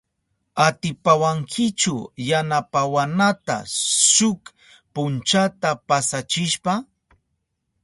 ¿Atipawankichu yanapawanata shuk punchata pasachishpa?